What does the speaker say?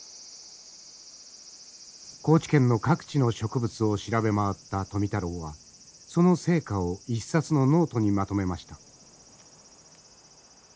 高知県の各地の植物を調べ回った富太郎はその成果を一冊のノートにまとめました。